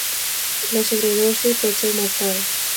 La sobredosi pot ser mortal.